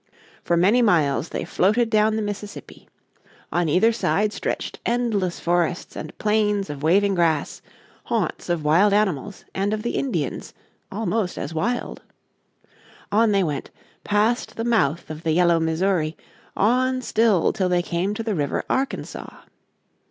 For many miles they floated down the Mississippi. On either side stretched endless forests and plains of waving grass, haunts of wild animals and of the Indians, almost as wild. On they went, past the mouth of the yellow Missouri, on still till they came to the river Arkansas.